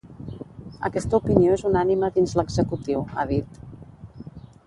Aquesta opinió és unànime dins l’executiu, ha dit.